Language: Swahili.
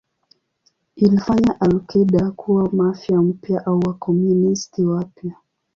Ilifanya al-Qaeda kuwa Mafia mpya au Wakomunisti wapya.